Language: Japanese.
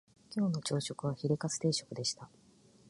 今日の朝食はヒレカツ定食でした